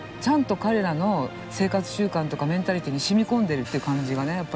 ちゃんと彼らの生活習慣とかメンタリティーにしみこんでるって感じがね